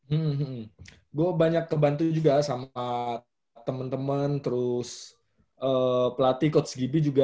hmm gue banyak kebantu juga sama temen temen terus pelatih coach gibi juga